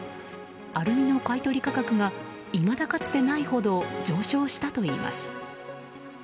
アルミの買い取り価格がいまだかつてないほど上昇したといいます。